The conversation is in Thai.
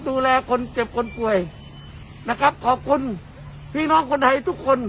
ดูแลคนเจ็บคนป่วยนะครับขอบคุณพี่น้องคนไทยทุกคน